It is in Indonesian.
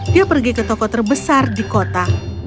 dia pergi ke toko terbesar di kota